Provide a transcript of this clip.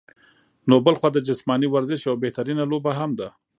نو بلخوا د جسماني ورزش يوه بهترينه لوبه هم ده